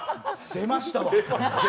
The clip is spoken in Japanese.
出ましたわ。